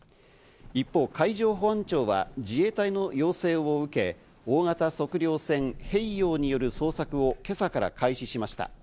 一方、海上保安庁は自衛隊の要請を受け、大型測量船「平洋」による捜索を今朝から開始しました。